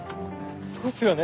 そうっすよね！